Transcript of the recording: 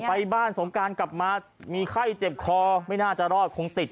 ไปบ้านสงการกลับมามีไข้เจ็บคอไม่น่าจะรอดคงติด